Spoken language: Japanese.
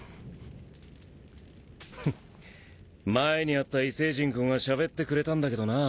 侫叩前に会った異星人君はしゃべってくれたんだけどなぁ。